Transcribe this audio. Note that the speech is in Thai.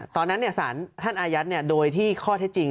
ตอนนั้นสารท่านอายัดโดยที่ข้อเท็จจริง